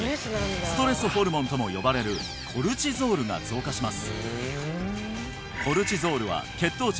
ストレスホルモンとも呼ばれるコルチゾールが増加します